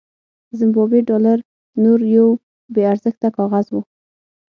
زیمبابويي ډالر نور یو بې ارزښته کاغذ و.